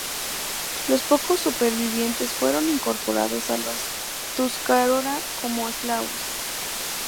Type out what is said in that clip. Los pocos supervivientes fueron incorporados a los tuscarora como esclavos.